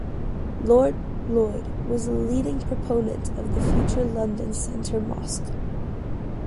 Lord Lloyd was a leading proponent of the future London Central Mosque.